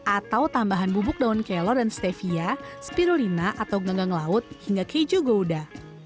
atau tambahan bubuk daun kelor dan stevia spirolina atau genggang laut hingga keju goda